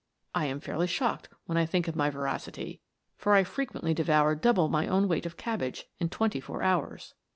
I am fairly shocked when I think of my voracity, for I frequently devoured double my own weight of cabbage in twenty four hours.